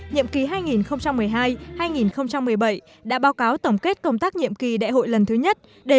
nhiệm kỳ hai nghìn một mươi hai hai nghìn một mươi bảy đã báo cáo tổng kết công tác nhiệm kỳ đại hội lần thứ nhất đề